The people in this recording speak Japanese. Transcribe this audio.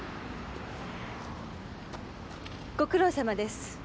ご苦労さまです。